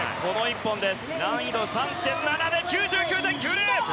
難易度３．７で９９．９０！